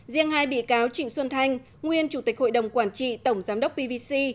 riêng hai bị cáo trịnh xuân thanh nguyên chủ tịch hội đồng quản trị tổng giám đốc pvc